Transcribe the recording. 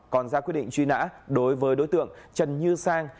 còn ra quyết định truy nã đối với đối tượng trần như sang